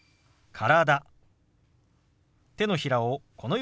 「体」。